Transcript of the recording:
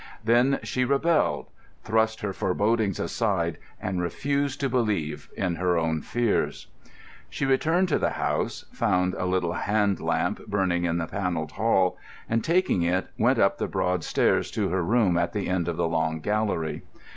Then she rebelled, thrust her forebodings aside, and refused to believe in her own fears. She returned to the house, found a little hand lamp burning in the panelled hall, and taking it went up the broad stairs to her room at the end of the long gallery.